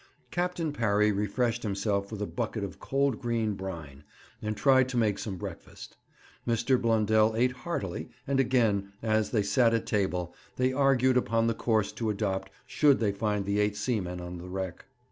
Captain Parry refreshed himself with a bucket of cold green brine, and tried to make some breakfast. Mr. Blundell ate heartily, and again, as they sat at table, they argued upon the course to adopt should they find the eight seamen on the wreck.